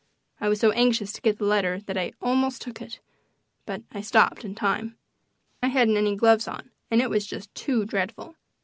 I was so anxious to get the letter that I almost took it, but I stopped in time. I hadn't any gloves on, and it was just too dreadful.